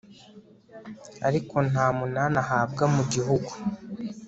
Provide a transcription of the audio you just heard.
ariko nta munani ahabwa mu gihugu